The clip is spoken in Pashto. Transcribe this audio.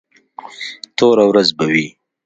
توره ورځ به وي.